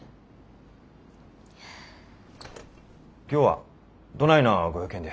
今日はどないなご用件で？